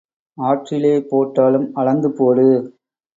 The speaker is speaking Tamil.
ஆற்றிலே போட்டாலும் அளந்து போடு.